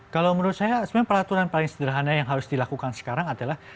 kalau menurut saya sebenarnya peraturan paling sederhana yang harus dilakukan sekarang adalah